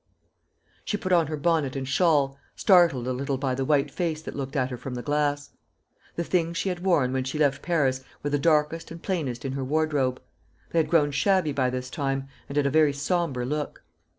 She put on her bonnet and shawl, startled a little by the white face that looked at her from the glass. The things she had worn when she left Paris were the darkest and plainest in her wardrobe. They had grown shabby by this time, and had a very sombre look.